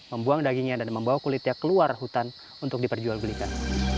membuang dagingnya dan membawa kulitnya keluar hutan untuk diperjualbelikan